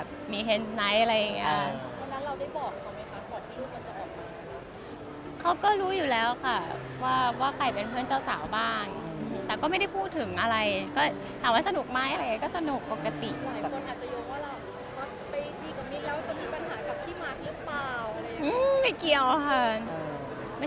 พี่หม่าก็แซวว่าภาพเรากับมิ้นแบบกระดุดล้มกันหรือเปล่า